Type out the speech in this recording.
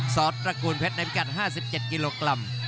สตระกูลเพชรน้ำกัด๕๗กิโลกรัม